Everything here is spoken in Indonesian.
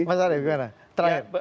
mas arief gimana terakhir